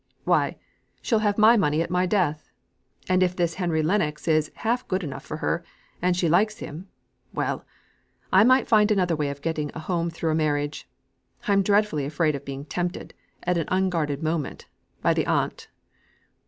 "Why, she'll have my money at my death. And if this Henry Lennox is half good enough for her, and she likes him well! I might find another way of getting a home through a marriage. I'm dreadfully afraid of being tempted, at an unguarded moment, by her aunt."